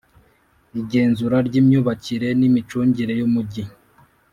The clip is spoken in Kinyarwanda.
Igenzura ry’imyubakire n’imicungire y’umujyi